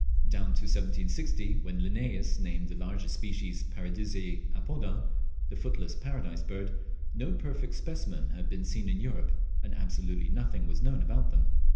Down to 1760, when Linnaeus named the largest species, Paradisea apoda (the footless Paradise Bird), no perfect specimen had been seen in Europe, and absolutely nothing was known about them.